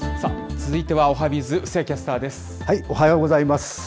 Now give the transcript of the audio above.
続いてはおはＢｉｚ、おはようございます。